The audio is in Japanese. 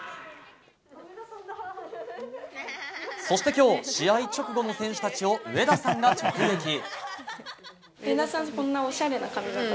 そして今日試合直後の選手たちを上田さんが直撃。